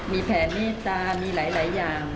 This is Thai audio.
มีแผนเมตตามีหลายอย่าง